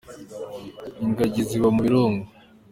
ingagi ziba mu birunga